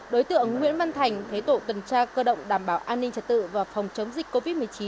đối tượng nguyễn văn thành thấy tổ tuần tra cơ động đảm bảo an ninh trật tự và phòng chống dịch covid một mươi chín